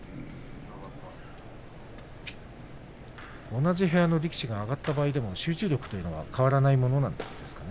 同じ部屋の力士が上がった場合でも集中力は変わらないものなんですか？